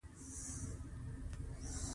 د مینې او ورورولۍ پيغام خپور کړئ.